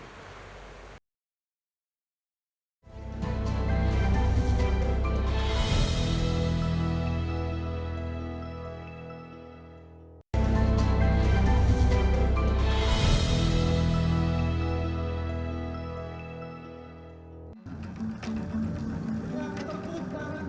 yang mencari kepentingan